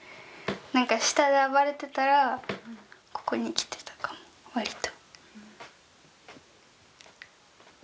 なんか下で暴れてたらここに来てたかも割と。